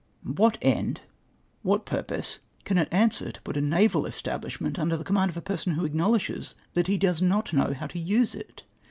What end, what pm pose, can it answer, to put a naval es tablishment under the command of a person who acknow ledges that he does not know how to use it